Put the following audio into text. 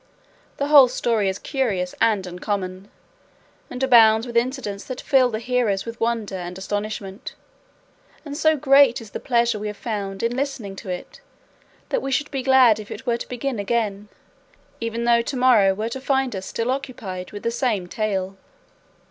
The whole story is curious and uncommon, and abounds with incidents that fill the hearers with wonder and astonishment; and so great is the pleasure we have found in listening to it that we should be glad if it were to begin again, even though to morrow were to find us still occupied with the same tale."